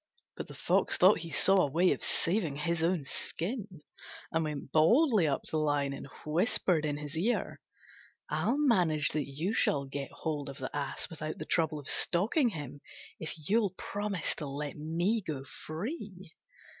But the Fox thought he saw a way of saving his own skin, and went boldly up to the Lion and whispered in his ear, "I'll manage that you shall get hold of the Ass without the trouble of stalking him, if you'll promise to let me go free."